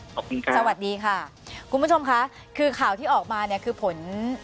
ขอบคุณค่ะสวัสดีค่ะคุณผู้ชมค่ะคือข่าวที่ออกมาเนี่ยคือผล